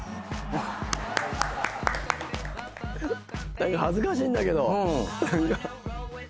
何か恥ずかしいんだけど。